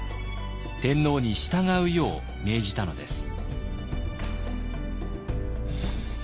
天皇に従うよう命じたのです。